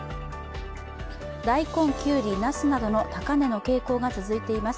大根、きゅうり、なすなどの高値の傾向が続いています。